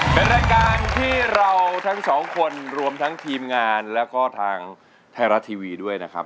เป็นรายการที่เราทั้งสองคนรวมทั้งทีมงานแล้วก็ทางไทยรัฐทีวีด้วยนะครับ